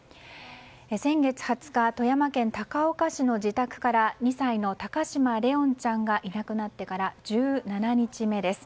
先月２０日富山県高岡市の自宅から２歳の高嶋怜音ちゃんがいなくなってから１７日目です。